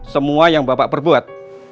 semua yang bapak perbuat